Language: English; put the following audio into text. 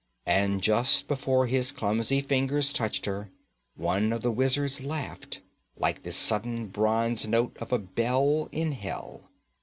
And just before his clumsy fingers touched her, one of the wizards laughed, like the sudden, bronze note of a bell in hell.